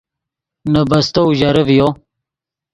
نے بستو اوژرے ڤیو